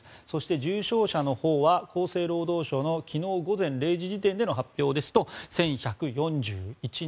そして重症者のほうは厚生労働省の昨日午前０時時点での発表ですと１１４１人。